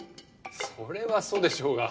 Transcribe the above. それはそうでしょうが。